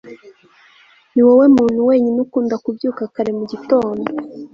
niwowe muntu wenyine ukunda kubyuka kare mu gitondo